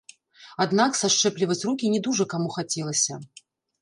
Аднак сашчэпліваць рукі не дужа каму хацелася.